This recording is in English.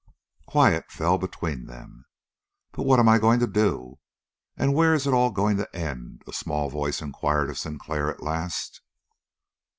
Quiet fell between them. "But what am I going to do? And where is it all going to end?" a small voice inquired of Sinclair at last.